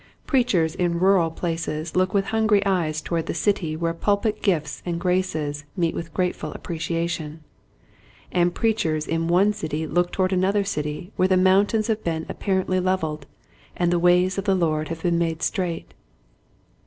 Preachers in rural places look with hungry eyes toward the city where pulpit gifts and graces meet with grateful appreciation, and preachers in one city look toward another city where the mountains have been apparently leveled, and the ways of the Lord have been made straight.